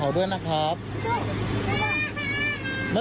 เราไม่ต้องกลัวไปกับพี่อยู่กับพี่